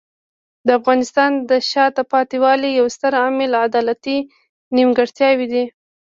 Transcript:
د افغانستان د شاته پاتې والي یو ستر عامل عدالتي نیمګړتیاوې دي.